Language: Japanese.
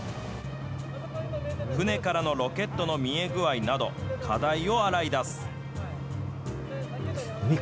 船からのロケットの見え具合など、課題を洗い出す。